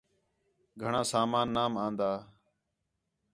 گھݨاں سامان نام آن٘دا